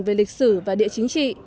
về lịch sử và địa chính trị